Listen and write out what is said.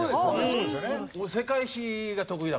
そうですよね。